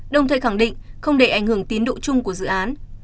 đồng thời khẳng định không để ảnh hưởng tín độ chung của dự án